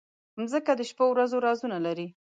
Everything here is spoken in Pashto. مځکه د شپو ورځو رازونه لري.